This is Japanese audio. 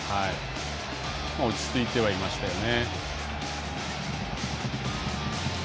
落ち着いてはいましたよね。